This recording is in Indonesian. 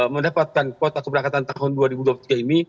mendapatkan kuota keberangkatan tahun dua ribu dua puluh tiga ini